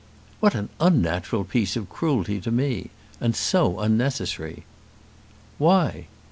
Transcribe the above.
"What an unnatural piece of cruelty to me; and so unnecessary!" "Why?"